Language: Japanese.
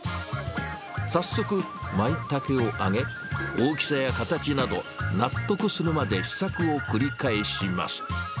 早速、マイタケを揚げ、大きさや形など、納得するまで試作を繰り返します。